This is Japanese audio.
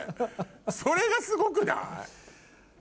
それがすごくない？